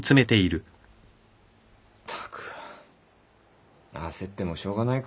ったく焦ってもしょうがないか。